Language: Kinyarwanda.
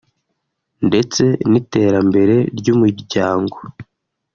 ndetse n’iterambere ry’Umuryango